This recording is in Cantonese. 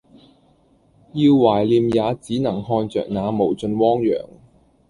要懷念也只能看著那無盡汪洋